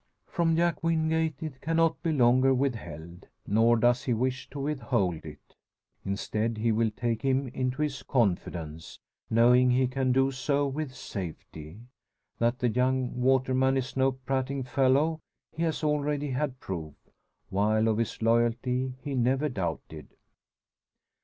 From Jack Wingate it cannot be longer withheld, nor does he wish to withhold it. Instead, he will take him into his confidence, knowing he can do so with safety. That the young waterman is no prating fellow he has already had proof, while of his loyalty he never doubted.